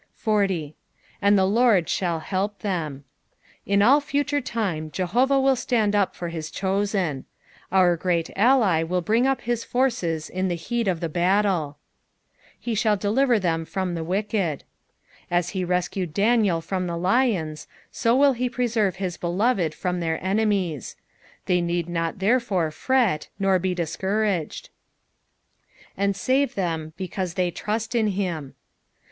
40. "And the Lord tftoZZ h^ Otem." In all future time Jehovah will stand up for his chosen. Our Oreat Ally will bring up his forces in tbe heat of the battle. "Be thalt deliver them from the wieied." As he rescued Daniel from the lions, so will he preserve his beloved from their enemies ; they need not therefore fret, nor be discouraged. "Attd mm them, beeavte thef truit in him."